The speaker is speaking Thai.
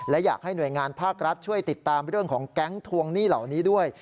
และอยากให้หน่วยงานภาครัฐช่วยติดตามเรื่องของแก๊งทวงหนี้เหล่านี้ด้วย